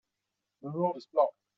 The road is blocked.